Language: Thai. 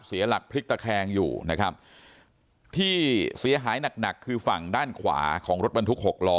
เสียหลักพลิกตะแคงอยู่นะครับที่เสียหายหนักหนักคือฝั่งด้านขวาของรถบรรทุกหกล้อ